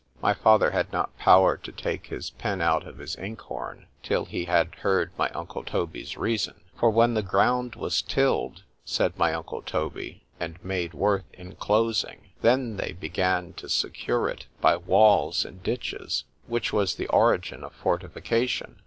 —My father had not power to take his pen out of his ink horn, till he had heard my uncle Toby's reason.—For when the ground was tilled, said my uncle Toby, and made worth inclosing, then they began to secure it by walls and ditches, which was the origin of fortification.